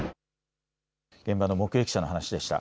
現場の目撃者の話でした。